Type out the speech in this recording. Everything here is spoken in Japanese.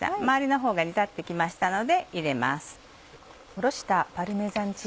周りのほうが煮立って来ましたので入れます。